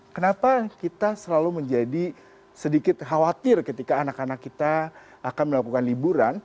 kenapa kita selalu menjadi sedikit khawatir ketika anak anak kita akan melakukan liburan